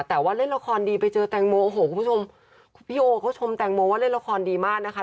แต่ว่าเล่นละครดีไปเจอแตงโมโออนุชิตเขาชมแตงโมว่าเล่นละครดีมากนะคะ